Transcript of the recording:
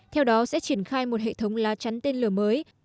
theo đó sẽ triển khai một hệ thống lá chắn tên lửa mới